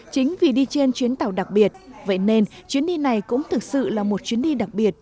chính vì đi trên chuyến tàu đặc biệt vậy nên chuyến đi này cũng thực sự là một chuyến đi đặc biệt